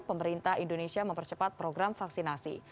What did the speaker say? pemerintah indonesia mempercepat program vaksinasi